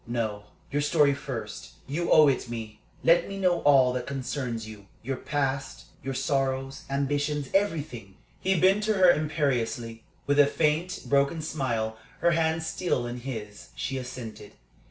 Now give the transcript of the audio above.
"No, your story first; you owe it me. Let me know all that concerns you. Your past, your sorrows, ambitions everything." He bent to her imperiously. With a faint, broken smile, her hands still in his, she assented.